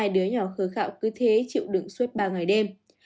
hai đứa nhỏ khờ khạo cứ thế chịu đựng suốt ba ngày đêm